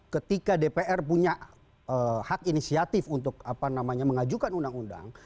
ketika dpr punya hak inisiatif untuk mengajukan undang undang